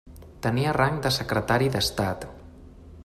Tenia rang de Secretari d'Estat.